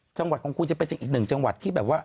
จังหวัดของคุณจะเป็นอีกหนึ่งจังหวัดที่แบบว่า